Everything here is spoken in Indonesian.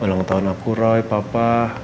ulang tahun aku roy papa